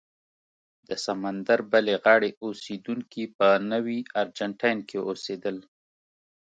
د سمندر بلې غاړې اوسېدونکي په نوي ارجنټاین کې اوسېدل.